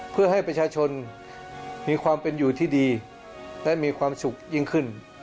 เพื่อให้ประชาชนมีความเป็นอยู่ที่ดีและมีความสุขยิ่งขึ้น